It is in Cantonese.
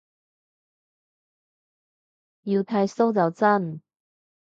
要剃鬚就真